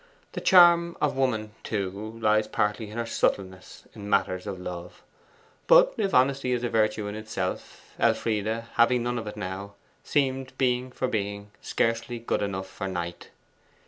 The charm of woman, too, lies partly in her subtleness in matters of love. But if honesty is a virtue in itself, Elfride, having none of it now, seemed, being for being, scarcely good enough for Knight.